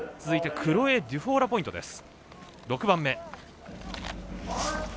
続いてクロエ・デュフォーラポイント６番目。